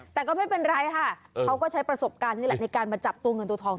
แต่ก็ไม่เป็นไรค่ะเขาก็ใช้ประสบการณ์นี่แหละในการมาจับตัวเงินตัวทอง